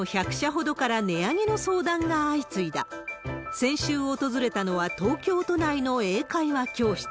先週訪れたのは、東京都内の英会話教室。